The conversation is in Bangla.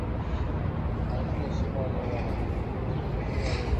দাড়ি নিশ্চয়ই পাওয়া যাবে বাগানে, বাকি মানুষটাকে পাবে এইখানেই।